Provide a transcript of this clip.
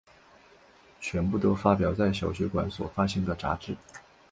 全部都发表在小学馆所发行的杂志。